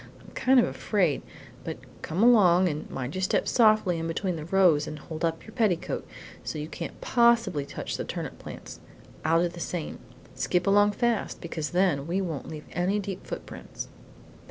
I'm kind of afraid, but come along and mind you step softly in between the rows and hold up your petticoat, so you can't possibly touch the turnip plants. I'll do the same. Skip along fast, because then we won't leave any deep footprints."